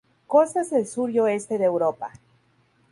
Costas del sur y oeste de Europa.